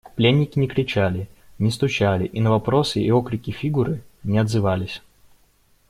Пленники не кричали, не стучали и на вопросы и окрики Фигуры не отзывались.